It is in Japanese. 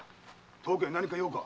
当家に何か用か？